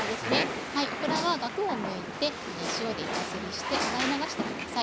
はいオクラはガクをむいて塩で板ずりして洗い流して下さい。